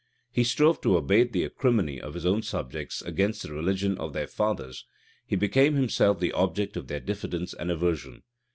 He strove to abate the acrimony of his own subjects against the religion of their fathers: he became himself the object of their diffidence and aversion.